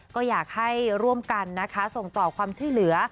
ก็อยากให้ร่วมกันนะคะส่งต่อความช่วยเหลือ